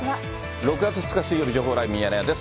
６月２日水曜日、情報ライブミヤネ屋です。